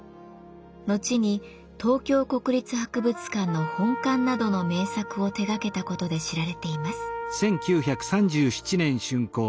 後に東京国立博物館の本館などの名作を手がけたことで知られています。